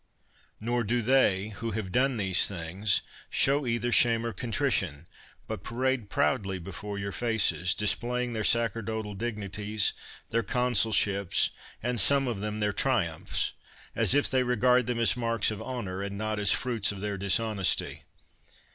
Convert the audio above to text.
Nor do they, who have done these things, show either shame or contri 38 CAIUS MEMMIUS tion, but parade proudly before your faces, dis playing their sacerdotal dignities, their consul ships, and some of them their triumphs, as if they regarded them as marks of honor, and not as fruits of their dishonesty.